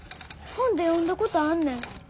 本で読んだことあんねん。